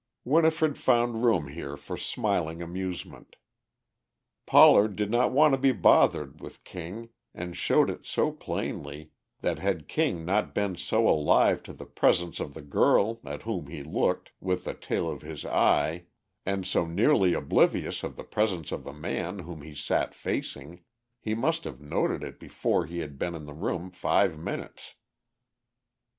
Winifred found room here for smiling amusement. Pollard did not want to be bothered with King and showed it so plainly that had King not been so alive to the presence of the girl at whom he looked with the tail of his eye and so nearly oblivious of the presence of the man whom he sat facing, he must have noted it before he had been in the room five minutes.